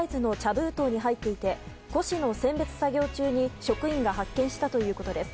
封筒に入っていて古紙の選別作業中に職員が発見したということです。